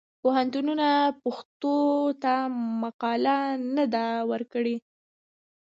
پوهنتونونه پښتو ته مقاله نه ده ورکړې.